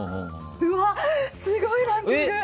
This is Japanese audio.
うわっ、すごいランキング！